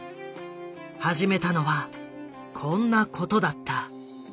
始めたのはこんなことだった。